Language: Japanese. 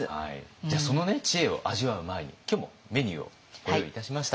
じゃあその知恵を味わう前に今日もメニューをご用意いたしました。